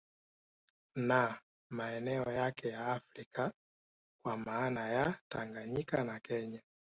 Na maeneo yake ya Afrika kwa maana ya Tanganyika na Kenya